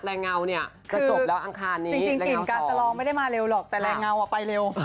คือจริงกลิ่นกาสลองไม่ได้มาเร็วหรอกแต่แหล่งงาวไปเร็ว